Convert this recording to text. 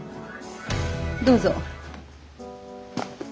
どうぞ。